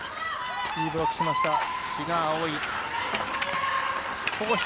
いいブロックしました。